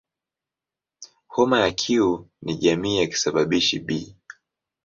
Homa ya Q ni jamii ya kisababishi "B".